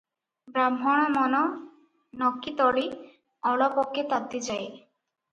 ବ୍ରାହ୍ଣଣ ମନ ନକିତଳି ଅଳପକେ ତାତି ଯାଏ ।